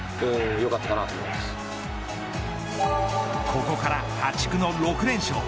ここから破竹の６連勝。